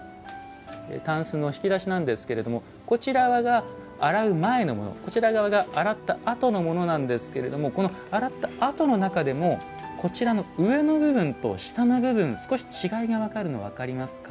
たんすの引き出しなんですけれどもこちら側が洗う前のものこちら側が洗ったあとのものなんですけれどもこの洗ったあとの中でもこちらの上の部分と下の部分少し違いが分かるの分かりますか？